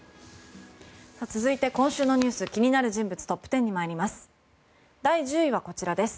続いて今週の気になる人物トップ１０に参ります。